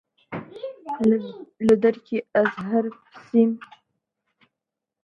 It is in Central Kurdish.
لە دەرکی ئەزهەر پرسیم: